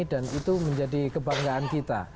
dan itu menjadi kebanggaan kita